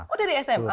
oh dari sma kang